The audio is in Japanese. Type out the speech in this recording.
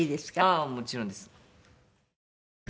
ああもちろんです。